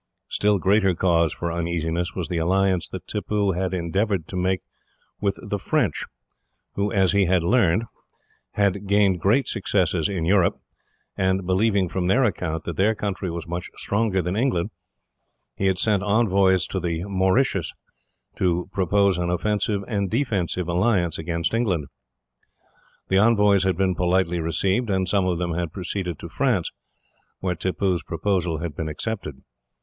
Still greater cause for uneasiness was the alliance that Tippoo had endeavoured to make with the French, who, as he had learned, had gained great successes in Europe; and, believing from their account that their country was much stronger than England, he had sent envoys to the Mauritius, to propose an offensive and defensive alliance against England. The envoys had been politely received, and some of them had proceeded to France, where Tippoo's proposal had been accepted.